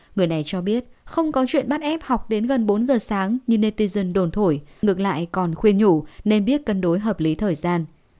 người này cho biết không có chuyện bắt ép học đến gần bốn giờ sáng như netison đồn thổi ngược lại còn khuya nhủ nên biết cân đối hợp lý thời gian